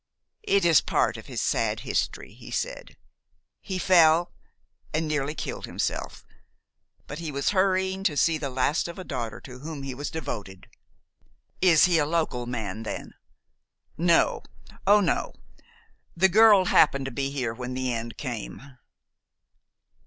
"It is part of his sad history," he said. "He fell, and nearly killed himself; but he was hurrying to see the last of a daughter to whom he was devoted." "Is he a local man, then?" "No. Oh, no! The girl happened to be here when the end came."